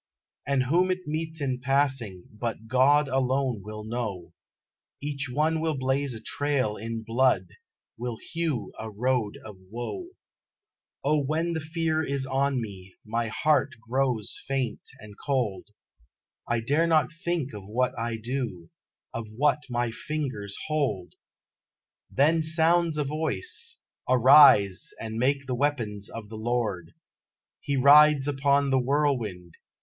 And whom it meets in passing, but God alone will know; Each one will blaze a trail in blood will hew a road of woe; O when the fear is on me, my heart grows faint and cold: I dare not think of what I do, of what my fingers hold. Then sounds a Voice, "Arise, and make the weapons of the Lord!" "He rides upon the whirlwind!